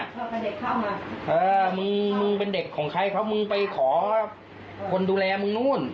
ชอบให้เด็กเข้ามาเออมึงมึงเป็นเด็กของใครเขามึงไปขอคนดูแลมึงนู่น